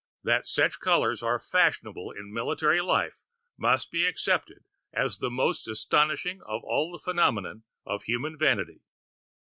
That such colors are fashionable in military life must be accepted as the most astonishing of all the phenomena of human vanity.